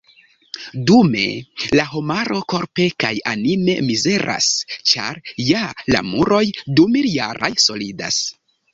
Dume, la homaro korpe kaj anime mizeras ĉar, ja, la muroj dumiljaraj solidas.